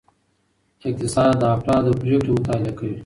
اقتصاد د افرادو پریکړې مطالعه کوي.